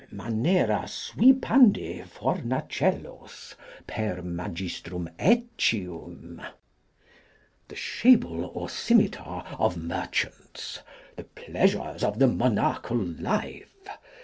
Manera sweepandi fornacellos per Mag. Eccium. The Shable or Scimetar of Merchants. The Pleasures of the Monachal Life.